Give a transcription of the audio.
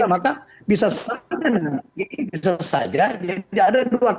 maka bisa sepakat bisa saja